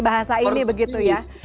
bahasa ini begitu ya